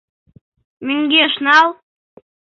Мӧҥгеш нал.